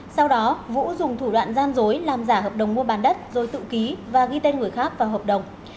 sau đó vũ dùng thủ đoạn gian dối làm giả hợp đồng mua bàn đất rồi tự ký và ghi tên người khác vào hợp đồng